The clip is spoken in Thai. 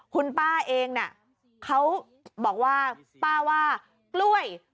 คุณป้าเองน่ะเขาบอกว่าป้าว่ากล้วย